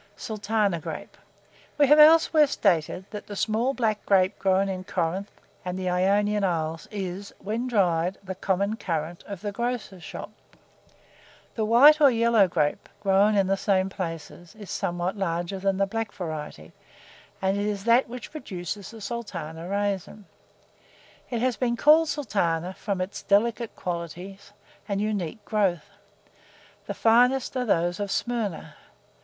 [Illustration: SULTANA GRAPE.] SULTANA GRAPE. We have elsewhere stated that the small black grape grown in Corinth and the Ionian Isles is, when dried, the common currant of the grocers' shops; the white or yellow grape, grown in the same places, is somewhat larger than the black variety, and is that which produces the Sultana raisin. It has been called Sultana from its delicate qualities and unique growth: the finest are those of Smyrna.